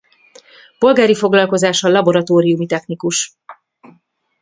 Polgári foglalkozása laboratóriumi technikus.